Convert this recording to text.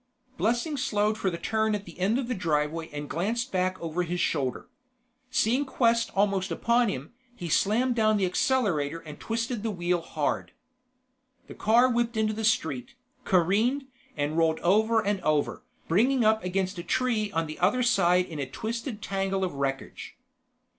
Blessing slowed for the turn at the end of the driveway and glanced back over his shoulder. Seeing Quest almost upon him, he slammed down the accelerator and twisted the wheel hard. The car whipped into the street, careened, and rolled over and over, bringing up against a tree on the other side in a twisted tangle of wreckage.